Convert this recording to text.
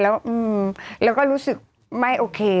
แล้วอืมแล้วก็รู้สึกไม่โอเค